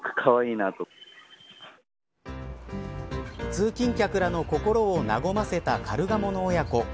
通勤客らの心を和ませたカルガモの親子。